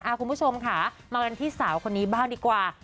คุณผู้ชมค่ะมากันที่สาวคนนี้บ้างดีกว่า